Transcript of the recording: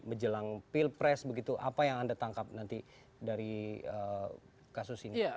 menjelang pilpres begitu apa yang anda tangkap nanti dari kasus ini